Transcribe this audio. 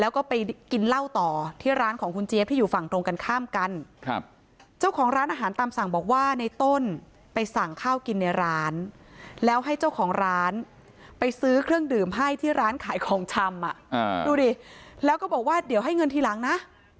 แล้วก็ไปกินเหล้าต่อที่ร้านของคุณเจี๊ยบที่อยู่ฝั่งตรงกันข้ามกันครับเจ้าของร้านอาหารตามสั่งบอกว่าในต้นไปสั่งข้าวกินในร้านแล้วให้เจ้าของร้านไปซื้อเครื่องดื่มให้ที่ร้านขายของชำดูดิแล้วก็บอกว่าเดี๋ยวให้เงินทีหลังนะ